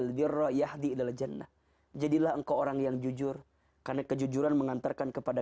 al zirra yahdi ilal jannah jadilah engkau orang yang jujur karena kejujuran mengantarkan kepada